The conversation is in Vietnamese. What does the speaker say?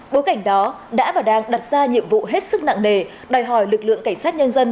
bối cảnh đó đã và đang đặt ra nhiệm vụ hết sức nặng nề đòi hỏi lực lượng cảnh sát nhân dân